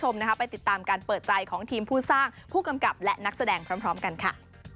คุณผู้ชมนะคะไปติดตามการเปิดใจของทีมผู้สร้างผู้กำกับและนักแสดงพร้อมกันค่ะ